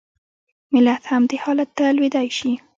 ملت هم دې حالت ته لوېدای شي.